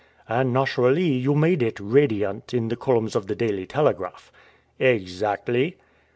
"And, naturally, you made it 'radiant,' in the columns of the Daily Telegraph." "Exactly."